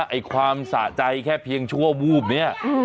ไอ้ความสะใจแค่เพียงชั่ววูบเนี่ย